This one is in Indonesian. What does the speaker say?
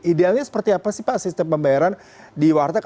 idealnya seperti apa sih pak sistem pembayaran di warteg